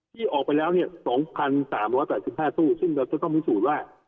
ที่ออกไปแล้วเนี่ย๒๓๘๕ตู้ซึ่งเราจะต้องพิสูจน์ว่า